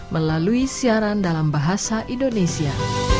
melalui siaran dalam bahasa indonesia